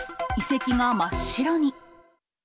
遺跡が真っ白に。